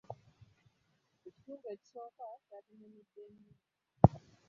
Ekitundu ekisooka kyatunyumidde nnyo.